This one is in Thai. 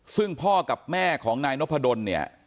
ซึ่งพ่อกับแม่ของนายนพดลเนี่ย